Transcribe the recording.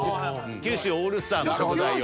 九州オールスター。